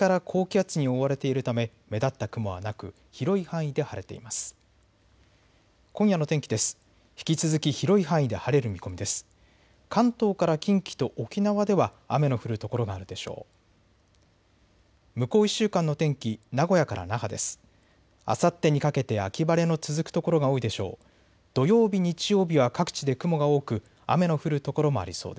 関東から近畿と沖縄では雨の降る所があるでしょう。